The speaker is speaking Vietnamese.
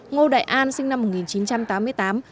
ngô đại an sinh năm một nghìn chín trăm tám mươi tám